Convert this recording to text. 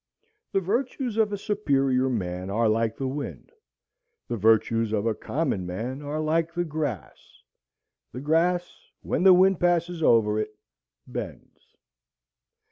The virtues of a superior man are like the wind; the virtues of a common man are like the grass; the grass, when the wind passes over it, bends."